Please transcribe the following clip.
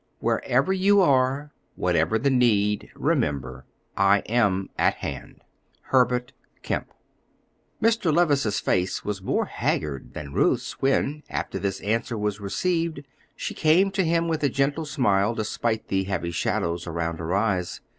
Wherever you are, whatever the need, remember I am at hand. HERBERT KEMP. Mr. Levice's face was more haggard than Ruth's when, after this answer was received, she came to him with a gentle smile, despite the heavy shadows around her eyes.